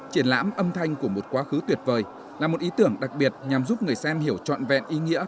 triển lãm âm thanh của một quá khứ tuyệt vời là một ý tưởng đặc biệt nhằm giúp người xem hiểu trọn vẹn ý nghĩa